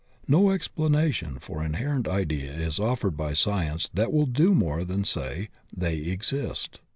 No explanation for inherent ideas is offered by science that will do more than say, "they exist."